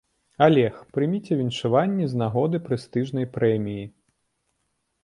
Алег, прыміце віншаванні з нагоды прэстыжнай прэміі.